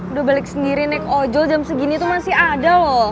udah balik sendiri naik ojol jam segini itu masih ada loh